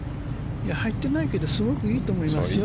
入ってないけどすごくいいと思いますよ。